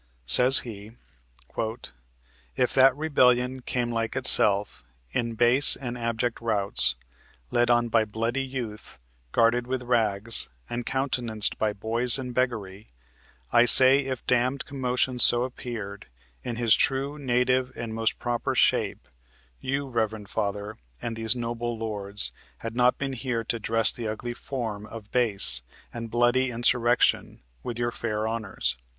Says he: "If that rebellion Came like itself, in base and abject routs, Led on by bloody youth, guarded with rags, And countenanced by boys and beggary; I say if damned commotion so appeared, In his true, native, and most proper shape, You, Reverend Father, and these noble lords Had not been here to dress the ugly form Of base and bloody insurrection With your fair honors."